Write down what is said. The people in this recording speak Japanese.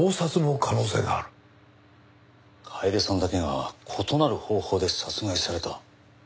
楓さんだけが異なる方法で殺害された。